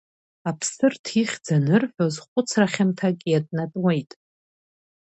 Аԥсырҭ ихьӡ анырҳәоз хәыцра хьамҭак иатәнатәуеит.